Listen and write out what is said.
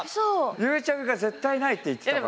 ゆうちゃみが絶対ないって言ってたよ。